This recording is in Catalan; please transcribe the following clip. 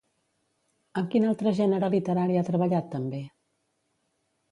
Amb quin altre gènere literari ha treballat també?